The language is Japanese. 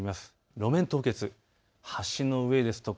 路面凍結、橋の上ですとか